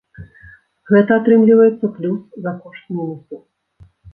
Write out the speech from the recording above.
Гэта атрымліваецца плюс за кошт мінуса!